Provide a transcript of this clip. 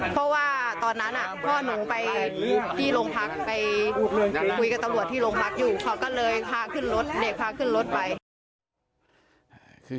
เด็กพากลึกไปเขาเลยพากลึกคือ